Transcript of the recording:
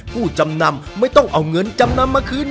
ผู้จำนำไม่ต้องเอาเงินจำนำมาคืน